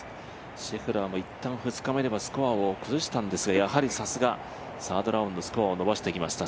シェフラーも一旦２日目ではスコアを崩したんですが、やはりさすが、サードラウンドスコアを伸ばしてきました。